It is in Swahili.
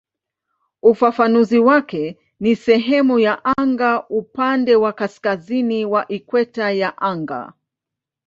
Ufafanuzi wake ni "sehemu ya anga upande wa kaskazini wa ikweta ya anga".